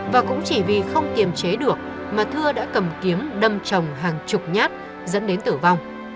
và cũng chỉ vì không kiềm chế được mà thưa đã cầm kiếm đâm chồng hàng chục nhát dẫn đến tử vong